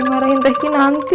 dimarahin teh gini nanti